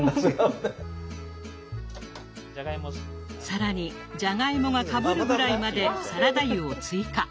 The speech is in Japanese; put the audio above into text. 更にじゃがいもがかぶるぐらいまでサラダ油を追加。